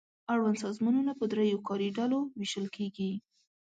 اړوند سازمانونه په دریو کاري ډلو وېشل کیږي.